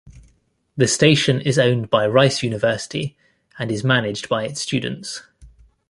The station is owned by Rice University, and is managed by its students.